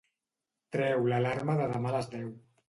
Treu l'alarma de demà a les deu.